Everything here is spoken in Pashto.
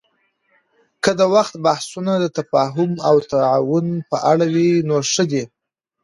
که د دوی بحثونه د تفاهم او تعاون په اړه وي، نو ښه دي